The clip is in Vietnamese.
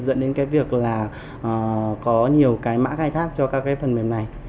dẫn đến việc có nhiều mã khai thác cho các phần mềm này